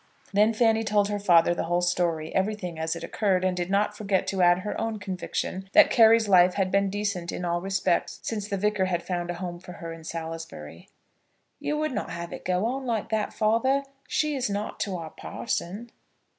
Then Fanny told her father the whole story, everything as it occurred, and did not forget to add her own conviction that Carry's life had been decent in all respects since the Vicar had found a home for her in Salisbury. "You would not have it go on like that, father. She is naught to our parson."